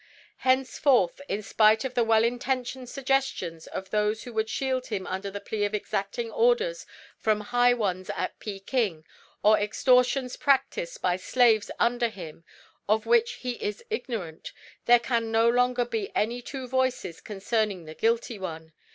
Henceforth, in spite of the well intentioned suggestions of those who would shield him under the plea of exacting orders from high ones at Peking or extortions practised by slaves under him of which he is ignorant, there can no longer be any two voices concerning the guilty one.